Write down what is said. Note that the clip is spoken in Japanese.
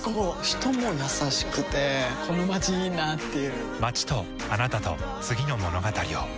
人も優しくてこのまちいいなぁっていう